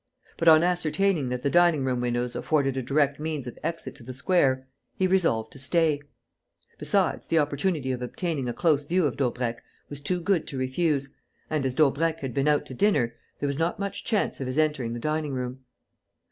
But, on ascertaining that the dining room windows afforded a direct means of exit to the square, he resolved to stay. Besides, the opportunity of obtaining a close view of Daubrecq was too good to refuse; and, as Daubrecq had been out to dinner, there was not much chance of his entering the dining room.